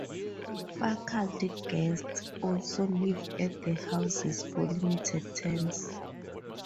Faculty guests also live at the houses for limited terms.